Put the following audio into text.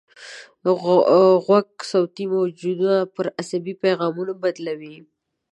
غوږ صوتي موجونه پر عصبي پیغامونو بدلوي.